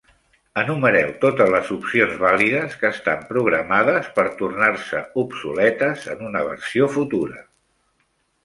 Enumereu totes les opcions vàlides que estan programades per tornar-se obsoletes en una versió futura.